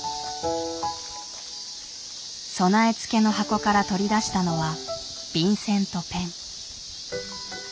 備え付けの箱から取り出したのは便箋とペン。